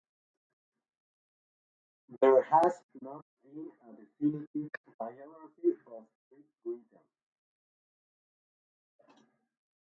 There has not been a definitive biography of Treat written.